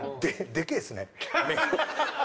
でけえっすね目が。